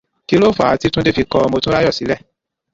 Kí ló fàá tí Túndé fi kọ Motúnráyọ̀ sílẹ̀?